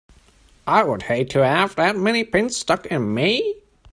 I'd hate to have that many pins stuck in me!